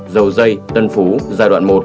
dầu dây tân phú giai đoạn một